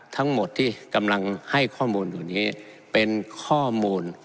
ทั้งหมดที่กำลังให้ข้อมูลอยู่นี้เป็นข้อมูล